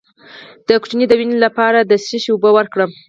د ماشوم د وینې لپاره د څه شي اوبه ورکړم؟